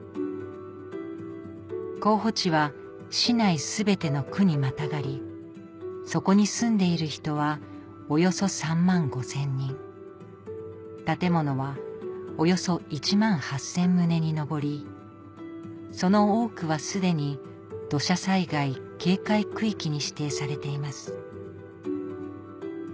候補地は市内全ての区にまたがりそこに住んでいる人はおよそ３万５０００人建物はおよそ１万８０００棟に上りその多くは既に土砂災害警戒区域に指定されています